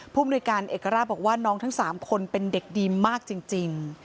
มนุยการเอกราชบอกว่าน้องทั้ง๓คนเป็นเด็กดีมากจริง